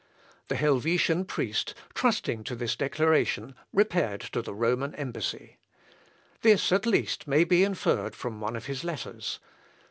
The Helvetian priest, trusting to this declaration, repaired to the Roman embassy. This, at least, may be inferred from one of his letters.